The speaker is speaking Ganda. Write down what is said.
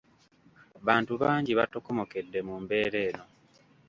Bantu bangi batokomokedde mu mbeera eno.